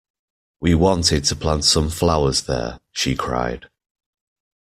‘We wanted to plant some flowers there,’ she cried.